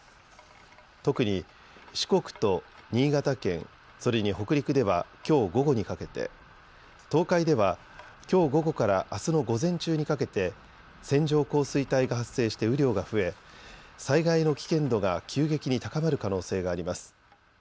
特に四国と新潟県、それに北陸ではきょう午後にかけて、東海ではきょう午後からあすの午前中にかけて線状降水帯が発生して雨量が増え災害の危険度が急激に高まる可能性があります。